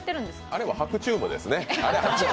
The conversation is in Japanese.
あれは白昼夢ですね。